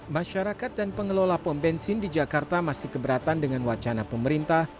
masyarakat dan pengelola pom bensin di jakarta masih keberatan dengan wacana pemerintah